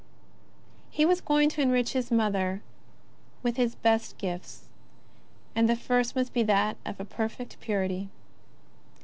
He was going to enrich His Mother with His best gifts, and the first must be a perfect purity.